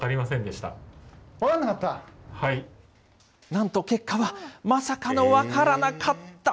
なんと結果は、まさかの分からなかった。